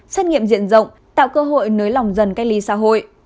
xét nghiệm diện rộng tạo cơ hội nới lỏng dần cách ly xã hội